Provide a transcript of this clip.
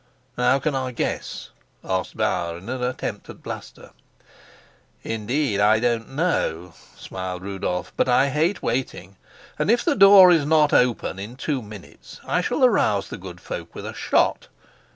"How can I guess?" asked Bauer, in an attempt at bluster. "Indeed, I don't know," smiled Rudolf. "But I hate waiting, and if the door is not open in two minutes, I shall arouse the good folk with a shot.